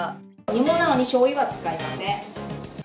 煮物なのにしょうゆは使いません。